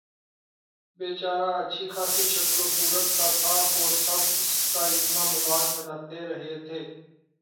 بے چارہ اچھی خاصی شکل صورت کا تھا اور سب اس کا اتنا مذاق بنا رہے تھے